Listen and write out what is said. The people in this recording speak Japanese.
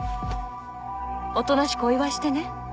おとなしくお祝いしてね